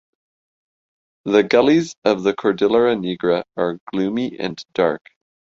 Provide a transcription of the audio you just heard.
The gullies of the Cordillera Negra are gloomy and dark.